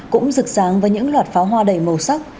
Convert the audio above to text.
cũng rực ráng với những loạt phó hoa đầy màu sắc